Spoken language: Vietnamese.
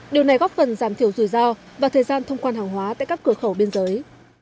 điều này góp phần giảm thiểu rủi ro và thời gian thông quan hàng hóa tại các cửa khẩu biên giới